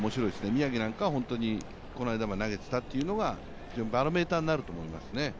宮城なんかは本当に、この間まで投げていたというのがバロメーターになると思いますね。